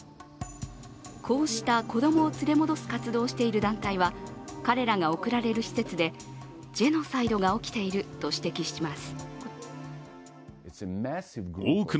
こうした子供を連れ戻す活動をしている団体は、彼らが送られる施設でジェノサイドが起きていると指摘します。